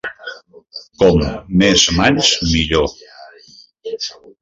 Com més mans millor.